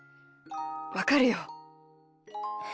わかるよ。